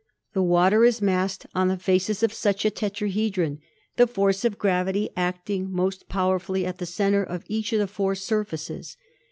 The water is massed on the faces of such a tetrahedron, the force of gravity acting most powerfully at the center of each of the four surfaces.